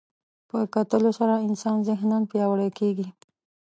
په کتلو سره انسان ذهناً پیاوړی کېږي